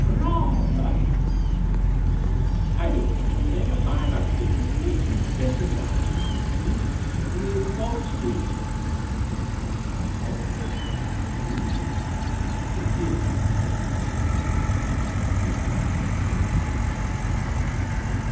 "Rather!" smiled Marrier. "I don't mind laying a fiver that Mr. Machin's dressing gown came from Drook's in Old Bond Street." But instead of saying "old" he said "ehoold." "It did," Edward Henry admitted. Mr. Marrier beamed with satisfaction.